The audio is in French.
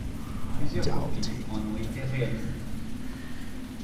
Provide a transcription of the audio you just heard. Plusieurs copies en ont été réalisées.